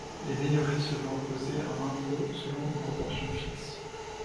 Les mayeuries se voient imposer un impôt selon une proportion fixe.